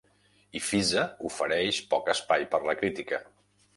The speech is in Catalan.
I Fiza ofereix poc espai per la crítica.